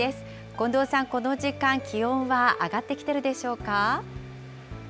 近藤さん、この時間、気温は上がってきてるでしょうか？